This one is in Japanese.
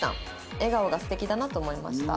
「笑顔が素敵だなと思いました」。